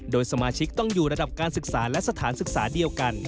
โดยสมาชิกต้องอยู่ระดับการศึกษาและสถานศึกษาเดียวกัน